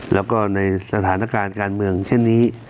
แล้วก็ในสถานการณ์การเมืองเช่นนี้